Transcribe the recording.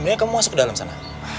makanya kamu masuk ke dalam sana